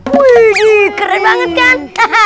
wih keren banget kan